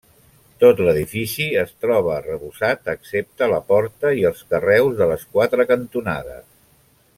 Tot l'edifici es troba arrebossat excepte la porta i els carreus de les quatre cantonades.